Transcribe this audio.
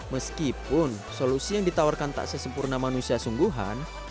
meskipun solusi yang ditawarkan tak sesempurna manusia sungguhan